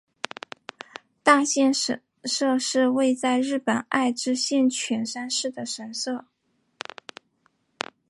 大县神社是位在日本爱知县犬山市的神社。